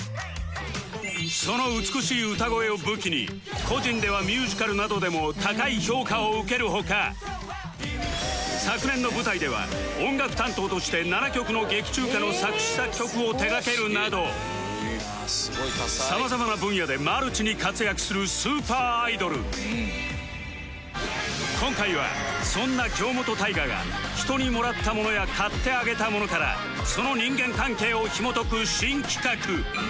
その美しい歌声を武器に個人ではミュージカルなどでも高い評価を受ける他昨年の舞台では音楽担当として７曲の劇中歌の作詞作曲を手がけるなどさまざまな分野で今回はそんな京本大我が人にもらった物や買ってあげた物からその人間関係をひも解く新企画